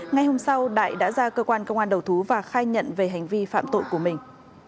ngày hôm sau đại đã ra cơ quan công an đầu thú và khai nhận về hành vi phạm tội của mình